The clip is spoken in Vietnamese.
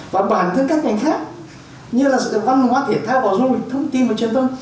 và bản thân các ngành khác như là sự văn hóa thể thao vào dung lịch thông tin và truyền thông